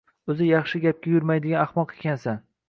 Oʻzi yaxshi gapga yurmaydigan ahmoq ekansan.